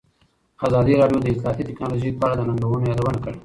ازادي راډیو د اطلاعاتی تکنالوژي په اړه د ننګونو یادونه کړې.